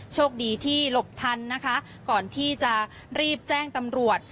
โชคดีที่หลบทันนะคะก่อนที่จะรีบแจ้งตำรวจ